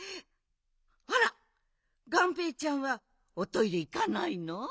あらがんぺーちゃんはおトイレいかないの？